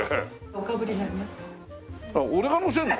おかぶりになりますか？